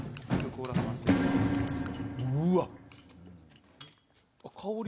うわっ。